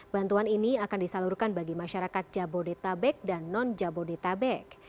bantuan ini akan disalurkan bagi masyarakat jabodetabek dan non jabodetabek